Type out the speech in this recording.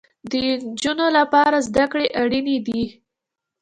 د انجونو لپاره زده کړې اړينې دي